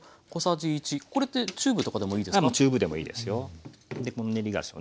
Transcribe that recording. これってチューブとかでもいいですか？